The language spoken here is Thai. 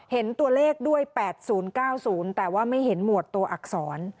เห็นตัวเลขด้วย๘๐๙๐แต่ว่าไม่เห็นหมวดตัวอักษร